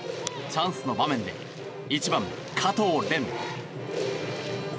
チャンスの場面で１番、加藤蓮。